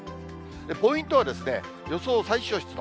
ポイントは、予想最小湿度。